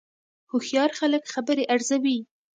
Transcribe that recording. هوښیار خلک خبرې ارزوي